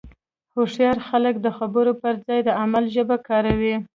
هوښیار خلک د خبرو پر ځای د عمل ژبه کاروي.